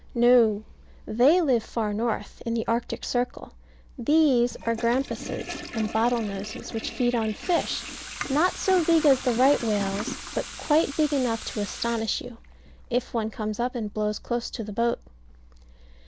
No, they live far north, in the Arctic circle; these are grampuses, and bottle noses, which feed on fish; not so big as the right whales, but quite big enough to astonish you, if one comes up and blows close to the boat.